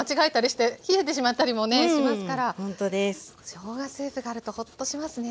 しょうがスープがあるとほっとしますね。